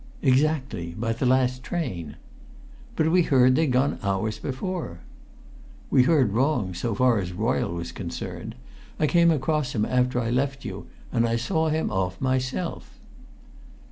"Exactly by the last train." "But we heard they'd gone hours before!" "We heard wrong, so far as Royle was concerned. I came across him after I left you, and I saw him off myself."